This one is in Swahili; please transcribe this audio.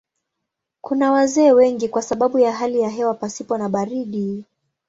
Kuna wazee wengi kwa sababu ya hali ya hewa pasipo na baridi.